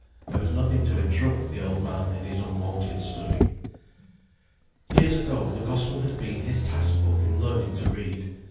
There was nothing to interrupt the old man in his unwonted study. Years ago, the Gospel had been his task book in learning to read.